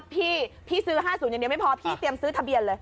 พี่พี่ซื้อ๕๐อย่างเดียวไม่พอพี่เตรียมซื้อทะเบียนเลย